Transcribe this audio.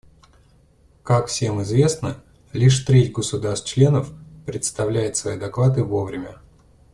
Как всем известно, лишь треть государств-членов представляет свои доклады вовремя.